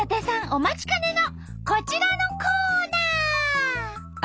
お待ちかねのこちらのコーナー！